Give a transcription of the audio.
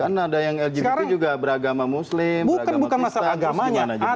kan ada yang lgbt juga beragama muslim beragama kristen terus bagaimana juga